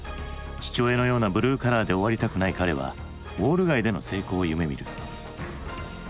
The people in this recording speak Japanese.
父親のようなブルーカラーで終わりたくない彼はウォール街での成功を夢みる。